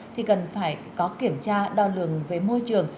thì cần phải có kiểm tra đo lường về môi trường